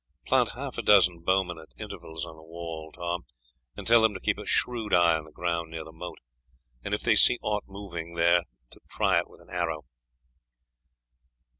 Plant half a dozen bowmen at intervals on the wall, Tom, and tell them to keep a shrewd eye on the ground near the moat, and if they see aught moving there to try it with an arrow."